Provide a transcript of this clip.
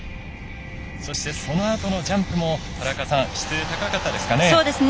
そして、そのあとのジャンプも質、高かったですかね。